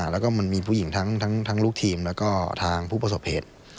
แล้วก็มันมีผู้หญิงทั้งลูกทีมแล้วก็ทางผู้ประสบเหตุ